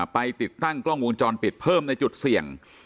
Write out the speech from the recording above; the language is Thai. ไปติดตั้งกล้องวงจรปิดเพิ่มในจุดเสี่ยง